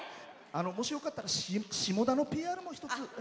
もしよかったら下田のＰＲも一つ。